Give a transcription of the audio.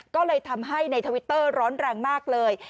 ก็เลยทำให้ในทวิตเตอร์ร้อนแรงมากเลย